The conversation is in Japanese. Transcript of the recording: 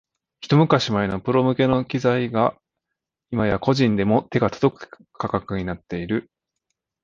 ひと昔前のプロ向けの機材が今や個人でも手が届く価格になっている